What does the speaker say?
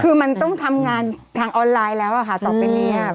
คือมันต้องทำงานทางออนไลน์แล้วค่ะต่อไปนี้